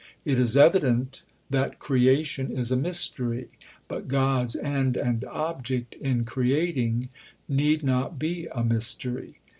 It is evident that creation is a mystery, but God's end and object (in creating) need not be a mystery.